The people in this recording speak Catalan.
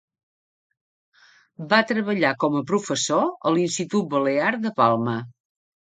Va treballar com a professor a l’Institut Balear de Palma.